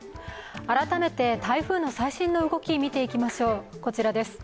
改めて台風の最新の動き見ていきましょう、こちらです。